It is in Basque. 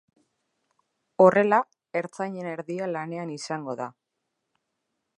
Horrela, ertzainen erdia lanean izango da.